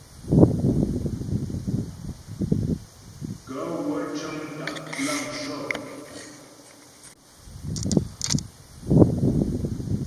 Gaə̂ wə́ cə́ŋ tá' plan shɔ́p.